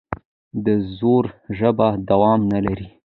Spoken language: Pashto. د زور ژبه دوام نه لري